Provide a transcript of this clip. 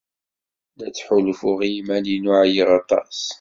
La ttḥulfuɣ i yiman-inu ɛyiɣ aṭas.